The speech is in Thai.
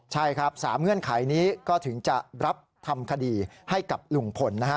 ใช่ครับ๓เงื่อนไขนี้ก็ถึงจะรับทำคดีให้กับลุงพลนะฮะ